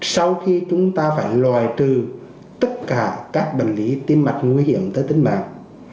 sau khi chúng ta phải loại trừ tất cả các bệnh lý tim mạch nguy hiểm tới tính mạng